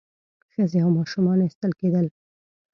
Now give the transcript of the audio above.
ښځې او ماشومان ایستل کېدل.